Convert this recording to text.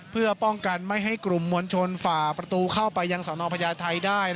เพื่อป้องกันไม่ให้กลุ่มมวลชนฝ่าประตูเข้าไปยังสนพญาไทยได้